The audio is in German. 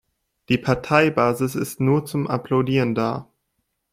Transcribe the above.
Die Parteibasis ist nur zum Applaudieren da.